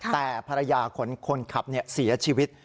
แต่ภรรยาของคนขับเสียชีวิต